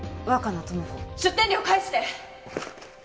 出店料返して！